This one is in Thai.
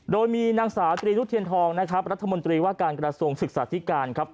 โดยมีนางศาตรีรุทเทียนทองรัฐมนตรีว่าการกระทรวงศึกษาธิการ